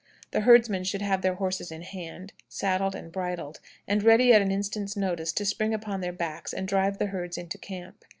The herdsmen should have their horses in hand, saddled and bridled, and ready at an instant's notice to spring upon their backs and drive the herds into camp.